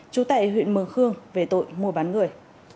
chú tệ huyện mường khương về tội mùa bán người